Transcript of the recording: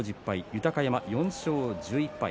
豊山、４勝１１敗。